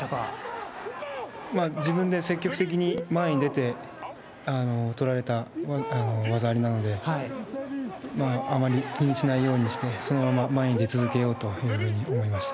自分で積極的に前に出て、取られた技ありなので、あまり気にしないようにして、そのまま前に出続けようというふうに思いました。